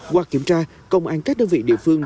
qua kiểm tra công an các đơn vị địa phương